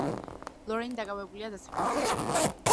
ლორენი დაკავებულია დასაკითხად.